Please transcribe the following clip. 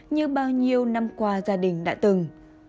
như bao nhiêu năm qua gia đình đã từng